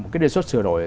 cái đề xuất sửa đổi